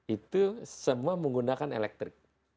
itu semua menggunakan elektrik